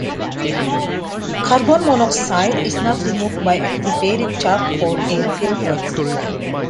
Carbon Monoxide is not removed by activated charcoal air filters.